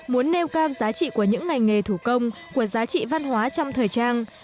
muốn nêu cao giá trị của những ngành nghề thủ công của giá trị văn hóa trong thời trang